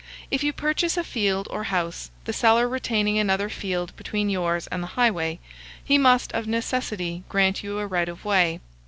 If you purchase a field or house, the seller retaining another field between yours and the highway, he must of necessity grant you a right of way.